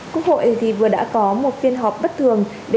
cục hội thì vừa đã có một phiên họp bất thường để bàn về các giải pháp